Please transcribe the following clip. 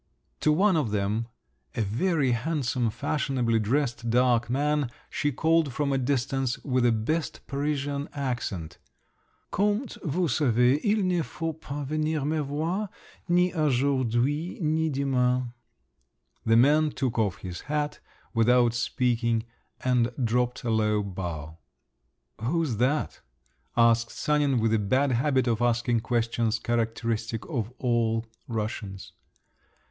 To one of them, a very handsome, fashionably dressed dark man, she called from a distance with the best Parisian accent, "Comte, vous savez, il ne faut pas venir me voir—ni aujourd'hui ni demain." The man took off his hat, without speaking, and dropped a low bow. "Who's that?" asked Sanin with the bad habit of asking questions characteristic of all Russians.